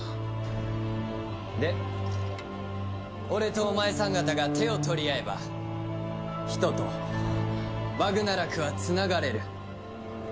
で俺とお前さん方が手を取り合えば人とバグナラクはつながれる。